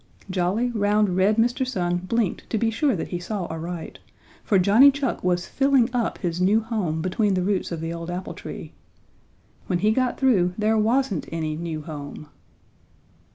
Jolly, round, red Mr. Sun blinked to be sure that he saw aright, for Johnny Chuck was filling up his new home between the roots of the old apple tree. When he got through, there wasn't any new home.